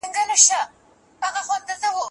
خیر محمد وویل چې زه به خپله لور ناهیلې نه کړم.